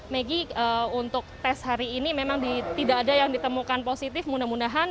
megi untuk tes hari ini memang tidak ada yang ditemukan positif mudah mudahan